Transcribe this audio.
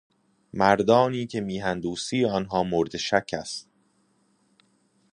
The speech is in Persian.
مردانی که میهن دوستی آنها مورد شک است